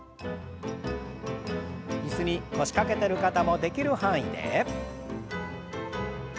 椅子に腰掛けてる方もできる範囲で。